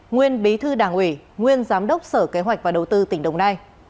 nguyên bí thư đảng ủy nguyên giám đốc sở kế hoạch và đầu tư tỉnh đồng nai